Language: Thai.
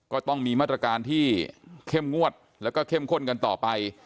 ก็ต้องมีมาตรการที่เข้มงวดแล้วก็เข้มข้นกันต่อไป